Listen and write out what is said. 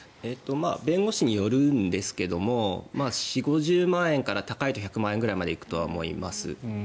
弁護士によるんですけど４０５０万円から高いと１００万円くらいまで行くと思います。